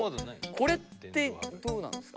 これってどうなんですか？